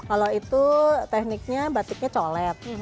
kalau itu tekniknya batiknya colet